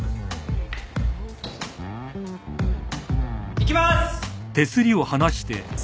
いきます。